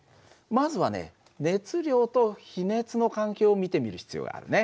まずはね熱量と比熱の関係を見てみる必要があるね。